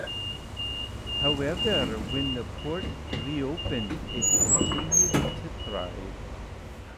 However, when the port reopened it continued to thrive.